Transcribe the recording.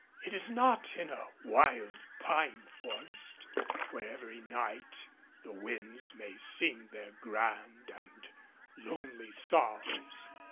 It is not in a wild pine forest, where every night the winds may sing their grand and lonely psalms.